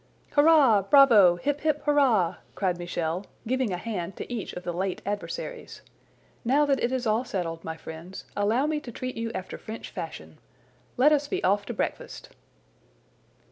"Hurrah! bravo! hip! hip! hurrah!" cried Michel, giving a hand to each of the late adversaries. "Now that it is all settled, my friends, allow me to treat you after French fashion. Let us be off to breakfast!"